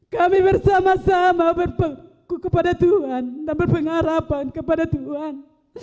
kami bersama sama berpengarapan kepada tuhan